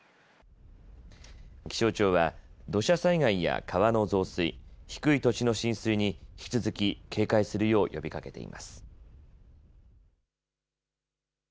気象庁は土砂災害や川の増水、低い土地の浸水に引き続き警戒するよう呼びかけています。